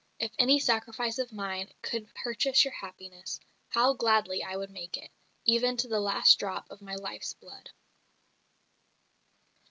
If any sacrifice of mine could purchase your happiness, how gladly I would make it, even to the last drop of my life's blood."